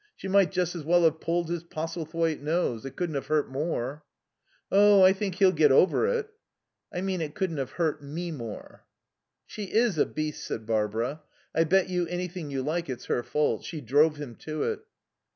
She might just as well have pulled his Postlethwaite nose. It couldn't have hurt more." "Oh, I think he'll get over it." "I mean it couldn't have hurt me more." "She is a beast," said Barbara. "I bet you anything you like it's her fault. She drove him to it."